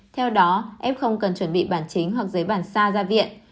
theo đó f không cần chuẩn bị bản chính hoặc giấy bản xa ra viện